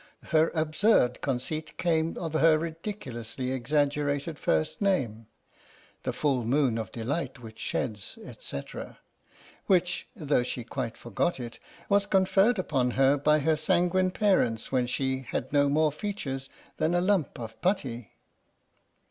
Her absurd conceit came of her ridiculously exaggerated first name ("The full moon of delight which sheds," etc.), which, though she quite forgot it, was conferred upon her by her sanguine parents when she had no more features than a lump of putty.